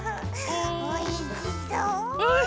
おいしそう！